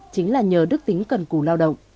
chính là nhờ đức tính cần củ lao động